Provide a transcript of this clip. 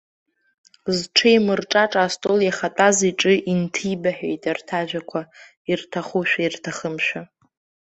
Зҽеимырҿаҿа астол иахатәаз иҿы инҭибаҳәеит арҭ ажәақәа, ирҭахушәа-ирҭахымшәа.